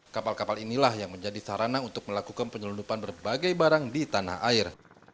kapal kapal inilah yang menjadi sarana untuk melakukan penyelundupan berbagai barang di tanah air